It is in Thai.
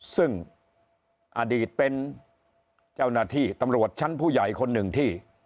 ซึ่งอดีตเป็นเจ้าหน้าที่ตำรวจชั้นผู้ใหญ่คนหนึ่งที่